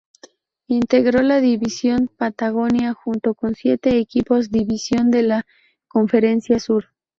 Integró la División Patagonia junto con siete equipos, división de la Conferencia Sur.